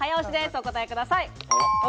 お答えください。